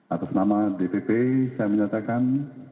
atas nama dpp saya menyatakan